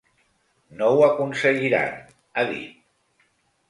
No ho aconseguiran, ha dit.